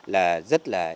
là rất là